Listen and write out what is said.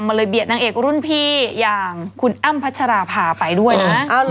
เลยเบียดนางเอกรุ่นพี่อย่างคุณอ้ำพัชราภาไปด้วยนะ